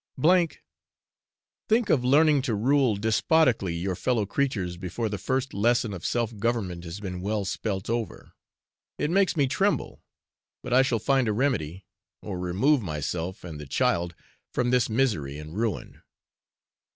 , think of learning to rule despotically your fellow creatures before the first lesson of self government has been well spelt over! It makes me tremble; but I shall find a remedy, or remove myself and the child from this misery and ruin.